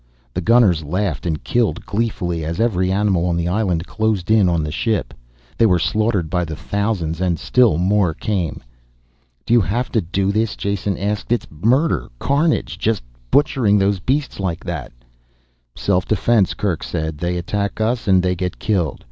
The gunners laughed and killed gleefully as every animal on the island closed in on the ship. They were slaughtered by the thousands, and still more came. "Do you have to do this?" Jason asked. "It's murder carnage, just butchering those beasts like that." "Self defense," Kerk said. "They attack us and they get killed.